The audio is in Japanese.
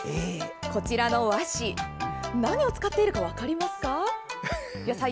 こちらの和紙何を使っているか分かりますか？